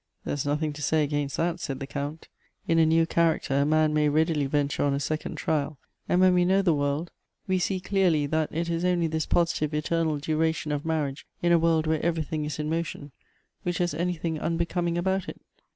" There is nothing to say against that," said the Count. " In a new character a man may readily venture on a second trial ; and when we know the world we see clearly that it is only this positive eternal duration of marriage in a world where everything is in motion, which has anything unbecoming about it.